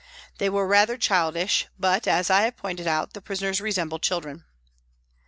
They were rather childish, but, as I have pointed out, prisoners resemble children.